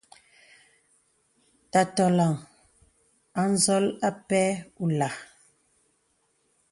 Tà tɔləŋ a n̄zɔl apɛ̂ ùlāā.